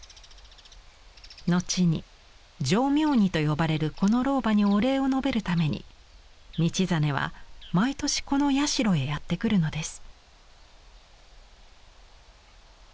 後に「浄妙尼」と呼ばれるこの老婆にお礼を述べるために道真は毎年この社へやって来るのです。